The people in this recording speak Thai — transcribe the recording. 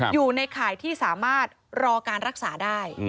อยู่ในข่ายที่สามารถรอการรักษาได้